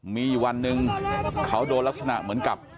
มีวันหนึ่งเขาโดนลักษณะเหมือนกับ